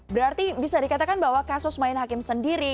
berarti bisa dikatakan bahwa kasus main hakim sendiri